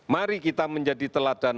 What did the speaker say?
mari kita menjadi teladan